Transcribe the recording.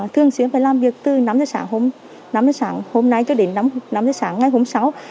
thường xuyên phải làm việc từ năm giờ sáng hôm nay cho đến năm giờ sáng ngày hôm sáu